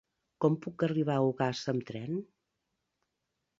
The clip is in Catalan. Com puc arribar a Ogassa amb tren?